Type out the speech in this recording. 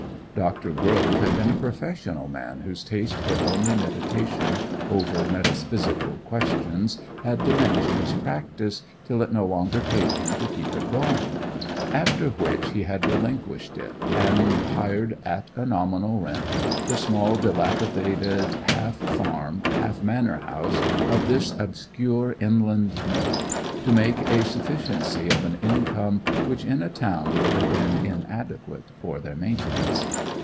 Dr. Grove had been a professional man whose taste for lonely meditation over metaphysical questions had diminished his practice till it no longer paid him to keep it going; after which he had relinquished it and hired at a nominal rent the small, dilapidated, half farm half manor house of this obscure inland nook, to make a sufficiency of an income which in a town would have been inadequate for their maintenance.